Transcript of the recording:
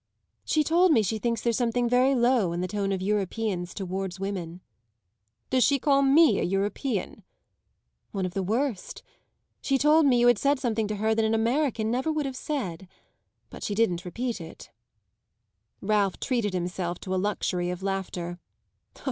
"She told me she thinks there's something very low in the tone of Europeans towards women." "Does she call me a European?" "One of the worst. She told me you had said to her something that an American never would have said. But she didn't repeat it." Ralph treated himself to a luxury of laughter.